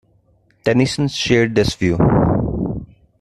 Tennyson shared this view.